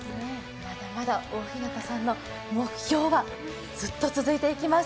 まだまだ大日向さんの目標はずっと続いていきます。